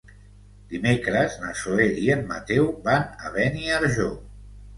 Dimecres na Zoè i en Mateu van a Beniarjó.